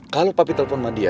kalau papa telpon sama dia